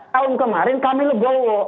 tahun kemarin kami legowo